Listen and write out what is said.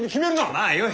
まあよい。